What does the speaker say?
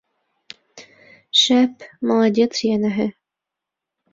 Шәп, молодец, йәнәһе.